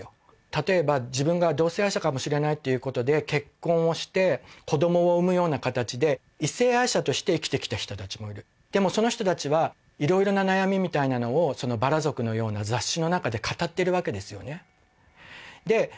例えば自分が同性愛者かもしれないっていうことで結婚をして子どもを生むようなかたちで異性愛者として生きてきた人たちもいるでもその人たちはいろいろな悩みみたいなのを「薔薇族」のような雑誌のなかで語ってるわけですよねで